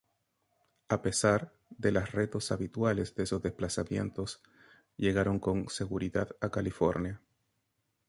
A pesar de las retos habituales de esos desplazamientos, llegaron con seguridad a California.